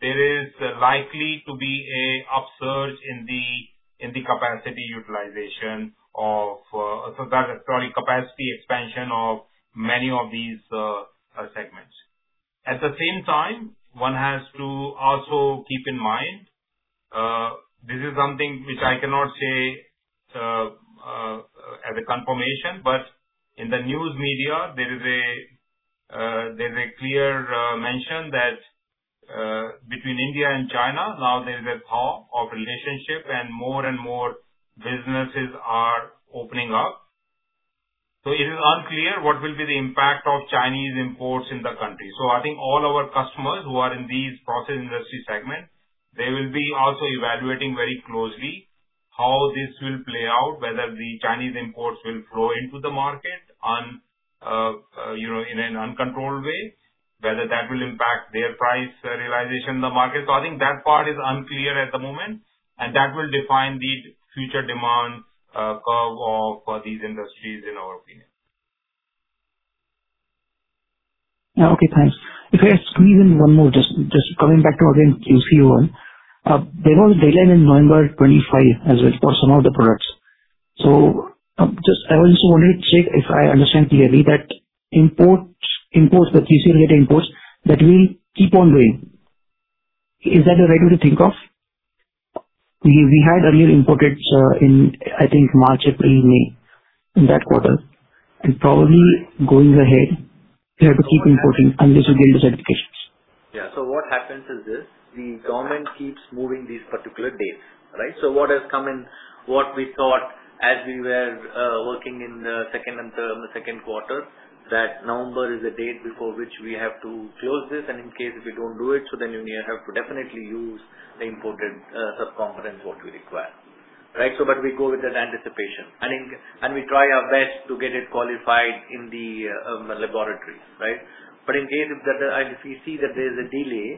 S2: There is likely to be an upsurge in the capacity expansion of many of these segments. At the same time, one has to also keep in mind, this is something which I cannot say as a confirmation, but in the news media, there is a clear mention that between India and China, now there is a thaw of relationship and more and more businesses are opening up. So it is unclear what will be the impact of Chinese imports in the country. So I think all our customers who are in these process industry segments, they will be also evaluating very closely how this will play out, whether the Chinese imports will flow into the market, you know, in an uncontrolled way, whether that will impact their price realization in the market. So I think that part is unclear at the moment, and that will define the future demand curve of these industries in our opinion.
S10: Okay. Thanks. If I have to squeeze in one more, just coming back to, again, QCO, there was a deadline in November 2025 as well for some of the products. So, just I also wanted to check if I understand clearly that imports, the QCO-related imports, that will keep on going. Is that the right way to think of? We had earlier imported, I think, in March, April, May in that quarter. And probably going ahead, we have to keep importing unless we get the certifications.
S2: Yeah. So what happens is this. The government keeps moving these particular dates, right? So what has come in, what we thought as we were working in the second quarter, that November is the date before which we have to close this. And in case we don't do it, so then we have to definitely use the imported subcomponents what we require, right? So but we go with that anticipation. And we try our best to get it qualified in the laboratories, right? But in case if we see that there is a delay,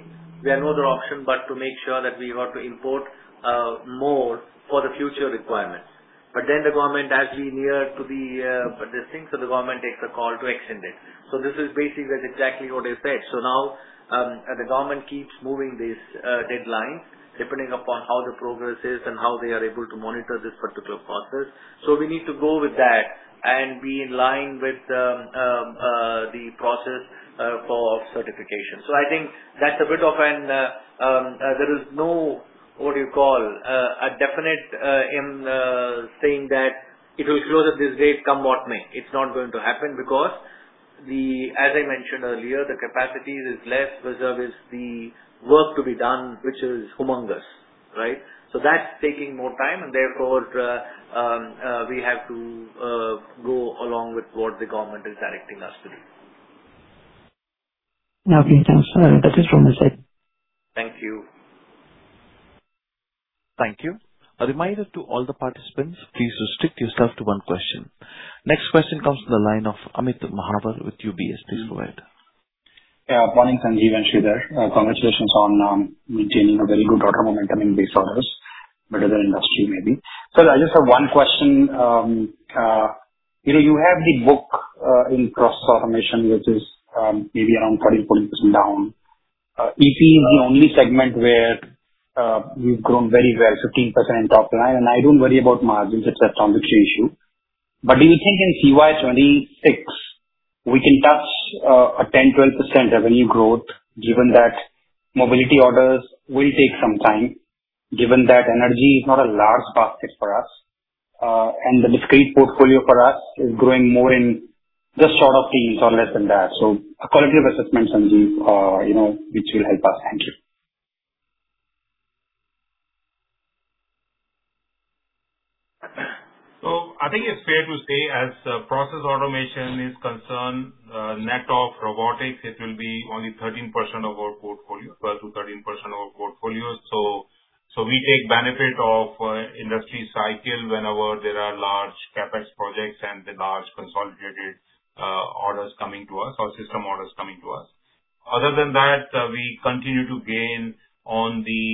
S2: we have no other option but to make sure that we have to import more for the future requirements. But then the government, as we near to this thing, so the government takes a call to extend it. So this is basically exactly what I said. So now, the government keeps moving these deadlines depending upon how the progress is and how they are able to monitor this particular process. So we need to go with that and be in line with the process for certification. So I think that's a bit of an. There is no definite saying that it will close at this date, come what may. It's not going to happen because, as I mentioned earlier, the capacity is less, versus the work to be done, which is humongous, right? So that's taking more time. And therefore, we have to go along with what the government is directing us to do.
S10: Okay. Thanks. That is what I said.
S2: Thank you.
S1: Thank you. A reminder to all the participants, please restrict yourself to one question. Next question comes from the line of Amit Mahawar with UBS. Please go ahead.
S11: Yeah. Morning, Sanjeev and Sridhar. Congratulations on maintaining a very good order momentum in these orders. Better than industry maybe. Sir, I just have one question. You know, you have the book in process automation, which is maybe around 13-14% down. EP is the only segment where we've grown very well, 15% in top line. And I don't worry about margins except on the key issue. But do you think in CY 2026 we can touch 10-12% revenue growth, given that mobility orders will take some time, given that energy is not a large basket for us, and the discrete portfolio for us is growing more in just short of teens or less than that? So a qualitative assessment, Sanjeev, you know, which will help us. Thank you.
S3: So I think it's fair to say, as process automation is concerned, net of Robotics, it will be only 13% of our portfolio, 12%-13% of our portfolio. So we take benefit of industry cycle whenever there are large CapEx projects and the large consolidated orders coming to us or system orders coming to us. Other than that, we continue to gain on the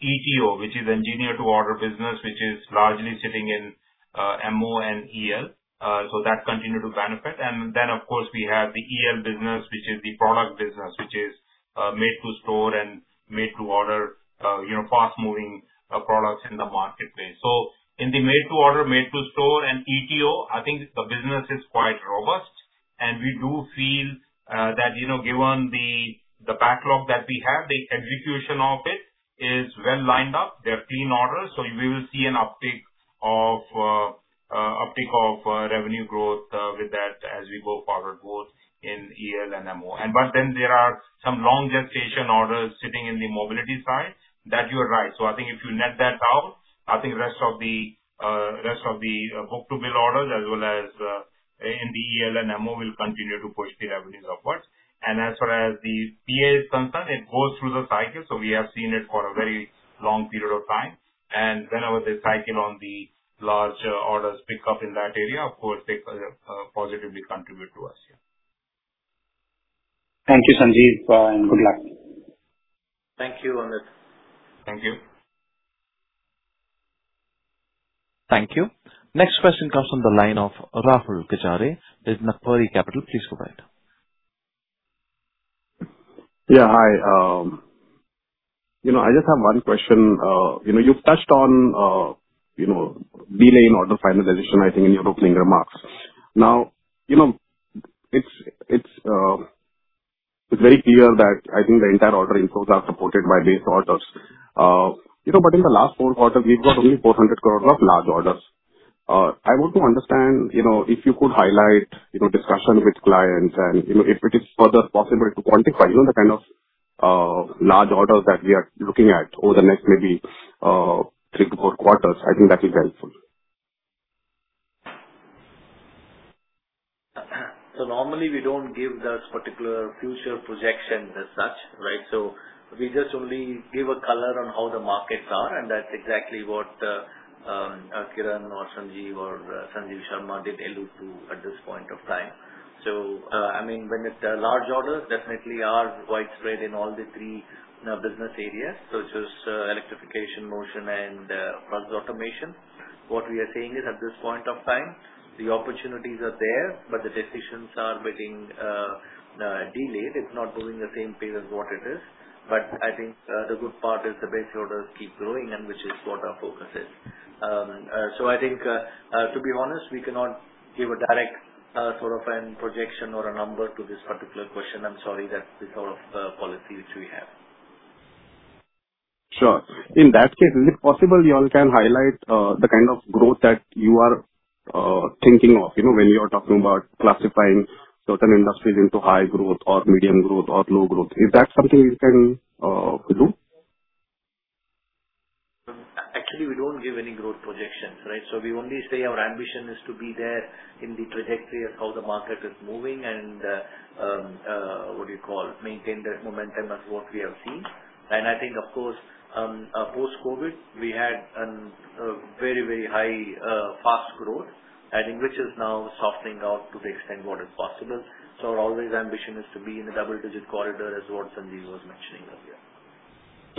S3: ETO, which is engineer-to-order business, which is largely sitting in MO and EL. So that continues to benefit. And then, of course, we have the EL business, which is the product business, which is made-to-stock and made-to-order, you know, fast-moving products in the marketplace. So in the made-to-order, made-to-stock and ETO, I think the business is quite robust. And we do feel that, you know, given the backlog that we have, the execution of it is well lined up. They're clean orders. So, we will see an uptick of revenue growth with that as we go forward, both in EL and MO. But then there are some long gestation orders sitting in the mobility side that you are right. So, I think if you net that out, I think rest of the book-to-bill orders as well as in the EL and MO will continue to push the revenues upwards. And as far as the PA is concerned, it goes through the cycle. So, we have seen it for a very long period of time. And whenever they cycle on the large orders pick up in that area, of course, they positively contribute to us. Yeah.
S11: Thank you, Sanjeev, and good luck.
S3: Thank you, Amit.
S11: Thank you.
S1: Thank you. Next question comes from the line of Rahul Kachari. This is Nagpuri Capital. Please go ahead.
S12: Yeah. Hi. You know, I just have one question. You know, you've touched on, you know, delay in order finalization, I think, in your opening remarks. Now, you know, it's very clear that I think the entire order inflows are supported by these orders. You know, but in the last four quarters, we've got only 400 crores of large orders. I want to understand, you know, if you could highlight, you know, discussion with clients and, you know, if it is further possible to quantify, you know, the kind of large orders that we are looking at over the next maybe three to four quarters. I think that would be helpful.
S2: So normally we don't give those particular future projections as such, right? So we just only give a color on how the markets are. And that's exactly what Kiran or Sanjeev or Sanjeev Sharma did allude to at this point of time. So, I mean, when it large orders definitely are widespread in all the three business areas, such as electrification, motion, and process automation. What we are seeing is at this point of time, the opportunities are there, but the decisions are getting delayed. It's not moving the same pace as what it is. But I think the good part is the base orders keep growing, and which is what our focus is. So I think, to be honest, we cannot give a direct sort of an projection or a number to this particular question. I'm sorry that this sort of policy which we have.
S12: Sure. In that case, is it possible you all can highlight the kind of growth that you are thinking of, you know, when you are talking about classifying certain industries into high growth or medium growth or low growth? Is that something you can do?
S2: Actually, we don't give any growth projections, right? So we only say our ambition is to be there in the trajectory of how the market is moving and, what do you call, maintain that momentum as what we have seen. And I think, of course, post-COVID, we had very, very high, fast growth, I think, which is now softening out to the extent what is possible. So our always ambition is to be in the double-digit corridor as what Sanjeev was mentioning earlier.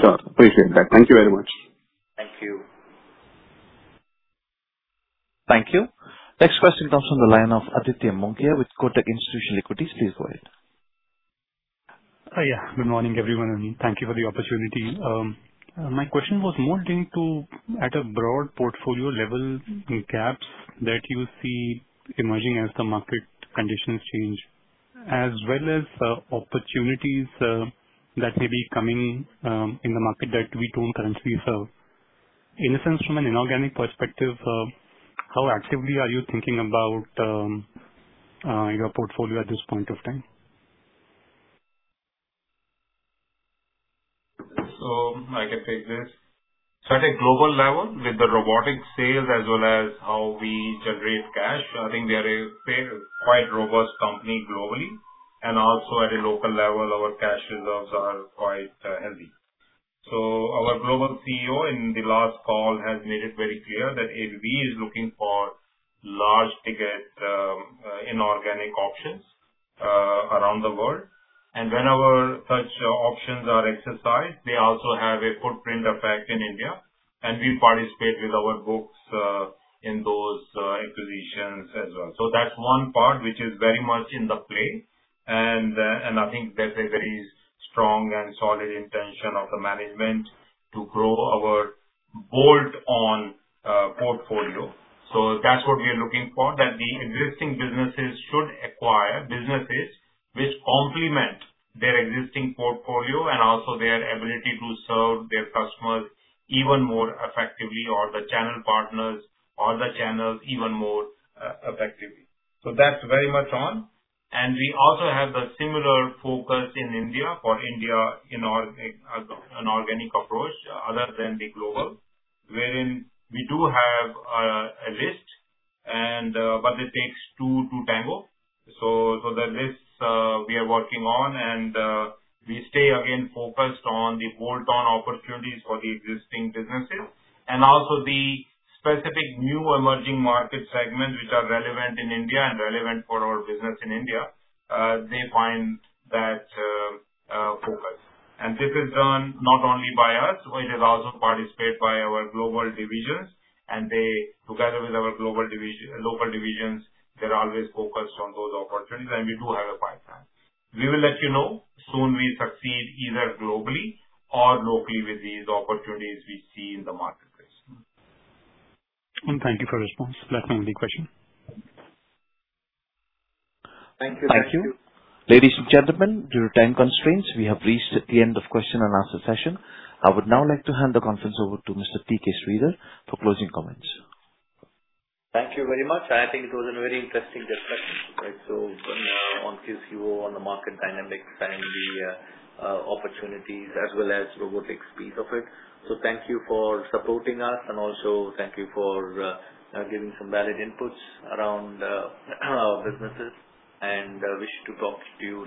S12: Sure. Appreciate that. Thank you very much.
S2: Thank you.
S1: Thank you. Next question comes from the line of Aditya Mongia with Kotak Institutional Equities. Please go ahead.
S13: Yeah. Good morning, everyone, and thank you for the opportunity. My question was more relating to, at a broad portfolio level, gaps that you see emerging as the market conditions change, as well as opportunities that may be coming in the market that we don't currently serve. In a sense, from an inorganic perspective, how actively are you thinking about your portfolio at this point of time?
S3: I can take this. At a global level, with the Robotics sales as well as how we generate cash, I think we are fairly quite robust company globally. Also at a local level, our cash reserves are quite heavy. Our global CEO in the last call has made it very clear that ABB is looking for large-ticket inorganic options around the world. Whenever such options are exercised, they also have a footprint effect in India. We participate with our books in those acquisitions as well. That's one part which is very much in play. I think there's a very strong and solid intention of the management to grow our bolt-on portfolio. So that's what we are looking for, that the existing businesses should acquire businesses which complement their existing portfolio and also their ability to serve their customers even more effectively or the channel partners or the channels even more effectively. So that's very much on. And we also have the similar focus in India for India in organic approach other than the global, wherein we do have a list. And but it takes two to tango. So the lists we are working on. And we stay again focused on the bolt-on opportunities for the existing businesses. And also the specific new emerging market segments which are relevant in India and relevant for our business in India, they find that focus. And this is done not only by us. It is also participated by our global divisions. They, together with our global division, local divisions, they're always focused on those opportunities. We do have a pipeline. We will let you know soon we succeed either globally or locally with these opportunities we see in the marketplace.
S13: Thank you for your response. Last one, only question.
S2: Thank you. Thank you.
S1: Thank you. Ladies and gentlemen, due to time constraints, we have reached the end of question and answer session. I would now like to hand the conference over to Mr. T.K. Sridhar for closing comments.
S2: Thank you very much. I think it was a very interesting discussion, right? So, on QCO, on the market dynamics, and the opportunities, as well as Robotics piece of it. So thank you for supporting us. And also thank you for giving some valid inputs around our businesses. And wish to talk to you.